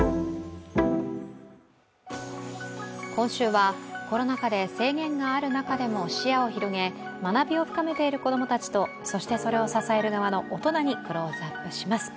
今週は、コロナ禍で制限がある中でも視野を広げ学びを深めている子供たちとそれを支えている大人にクローズアップします。